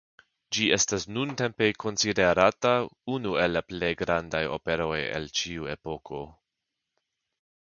Ĝi estas nuntempe konsiderata unu el la plej grandaj operoj el ĉiu epoko.